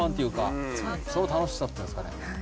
その楽しさっていうんですかね。